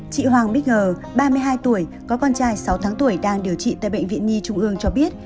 chị hoàng bích hờ ba mươi hai tuổi có con trai sáu tháng tuổi đang điều trị tại bệnh viện nhi trung ương cho biết